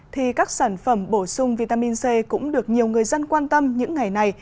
thì các sản phẩm bổ sung vitamin c cũng được nhiều người dân quan tâm những ngày này